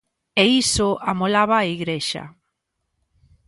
E iso amolaba a Igrexa.